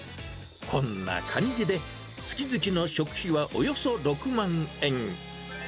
こんな感じで、月々の食費はおよそ６万円。